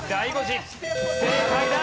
正解だ！